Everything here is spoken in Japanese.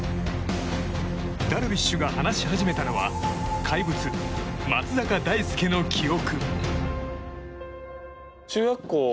ダルビッシュが話し始めたのは怪物、松坂大輔の記憶。